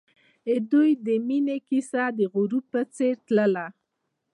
د دوی د مینې کیسه د غروب په څېر تلله.